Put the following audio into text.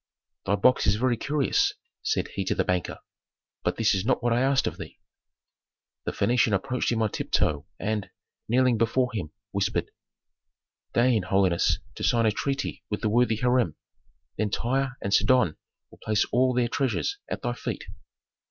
"Thy box is very curious," said he to the banker, "but this is not what I asked of thee." The Phœnician approached him on tiptoe and, kneeling before him, whispered, "Deign holiness, to sign a treaty with the worthy Hiram, then Tyre and Sidon will place all their treasures at thy feet."